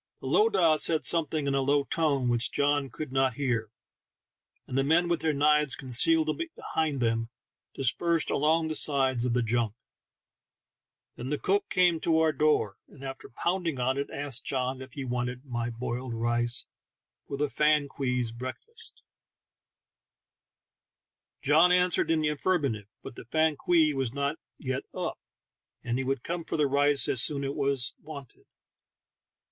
The lowdah said something in a low tone which John could not hear, and the men with their knives concealed behind them, dispersed along the sides of the junk. Then the cook came to our door, and after pounding on it, asked John if he wanted any boiled rice for the fan kwei's breakfast. 30 THE TALKING HANDKERCHIEF. John answered in the affirmative, but the fan kwei was not up yet, and he would come for the rice as soon as it was wanted.